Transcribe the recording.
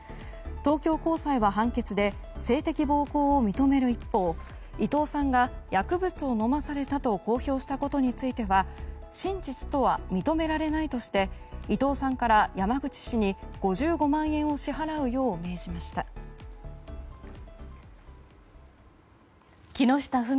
東京高裁は判決で性的暴行を認める一方伊藤さんが薬物を飲まされたと公表したことについては真実とは認められないとして伊藤さんから山口氏に５５万円を支払うよう命じました。